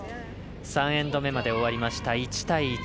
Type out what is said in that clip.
３エンド目まで終わりました、１対１。